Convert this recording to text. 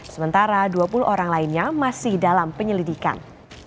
sementara dua puluh orang lainnya masih dalam penyelidikan